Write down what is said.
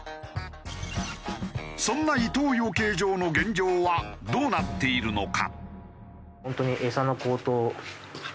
そんな伊藤養鶏場の現状はどうなっているのか？